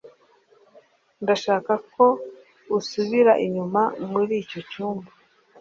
Ndashaka ko usubira inyuma muri icyo cyumba